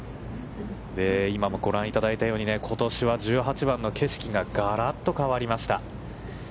今もご覧いただいたように、ことしは１８番が景色ががらっと変わりました。